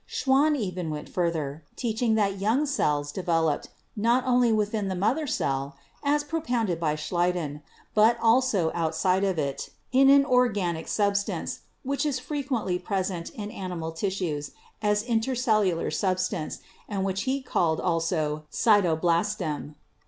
Schwann even went further, teaching that young cells de veloped, not only within the mother cell (as propounded by Schleiden), but also outside of it, in an* organic sub 77 78 BIOLOGY stance, which is frequently present in animal tissues as intercellular substance, and which he called also 'Cyto blastem.'